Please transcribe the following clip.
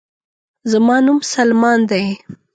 زما نوم سلمان دے